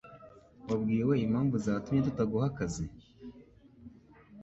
Wabwiwe impamvu zatumye tutaguha akazi?